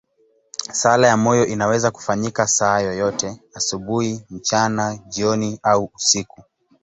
Sala ya moyo inaweza kufanyika saa yoyote, asubuhi, mchana, jioni au usiku.